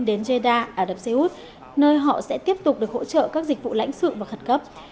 đến jeda ả rập xê út nơi họ sẽ tiếp tục được hỗ trợ các dịch vụ lãnh sự và khẩn cấp